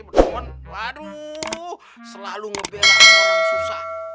selalu ngebelain orang susah